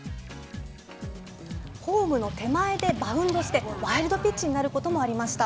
ホームの手前でバウンドしてワイルドピッチになる事もありました。